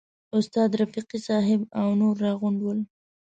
استاد رفیقي صاحب او نور راغونډ ول.